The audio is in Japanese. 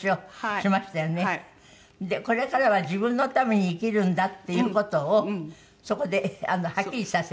これからは自分のために生きるんだっていう事をそこではっきりさせた。